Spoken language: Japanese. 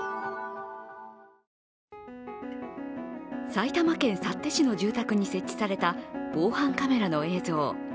埼玉県幸手市の住宅に設置された防犯カメラの映像。